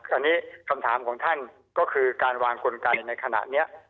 อันนี้คำถามของท่านก็คือการวางกลไกในขณะนี้